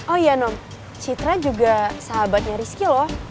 oh iya nom citra juga sahabatnya rizky loh